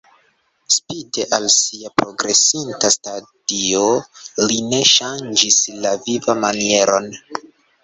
Spite al sia progresinta stadio li ne ŝanĝis la vivmanieron.